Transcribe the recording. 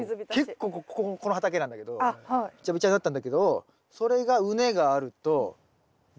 結構この畑なんだけどビチャビチャになったんだけどそれが畝があるとバン！